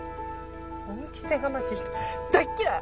恩着せがましい人大嫌い！